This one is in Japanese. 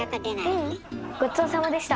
ううんごちそうさまでした！